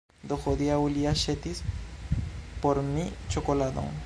Do, hodiaŭ li aĉetis por mi ĉokoladon